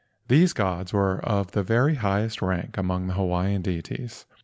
These gods were of the very highest rank among the Hawaiian deities.